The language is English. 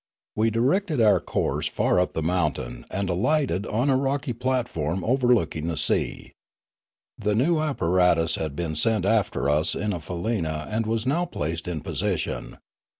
We directed our course far up the mountain and alighted on a rocky platform overlooking the sea. The new apparatus had been sent after us in a faleena and was now placed in position.